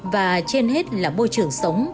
và trên hết là môi trường sống